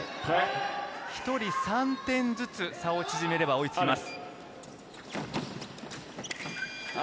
１人３点ずつ差を縮めれば追いつきます。